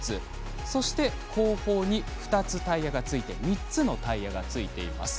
そして、後方に２つタイヤがついて３つのタイヤがついています。